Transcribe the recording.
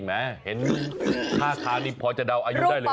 แม้เห็นท่าทางนี้พอจะเดาอายุได้เลย